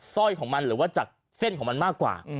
สร้อยของมันหรือว่าจากเส้นของมันมากกว่า